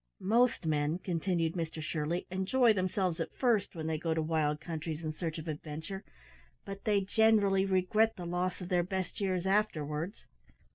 "Most men," continued Mr Shirley, "enjoy themselves at first, when they go to wild countries in search of adventure, but they generally regret the loss of their best years afterwards.